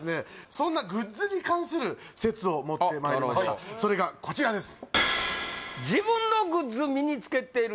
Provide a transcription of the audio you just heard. そんなグッズに関する説を持ってまいりましたそれがこちらです